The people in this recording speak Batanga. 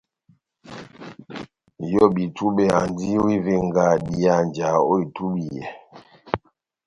Nʼyobi-túbɛ andi ó ivenga dihanja ó itúbiyɛ.